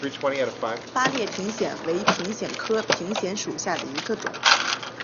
八列平藓为平藓科平藓属下的一个种。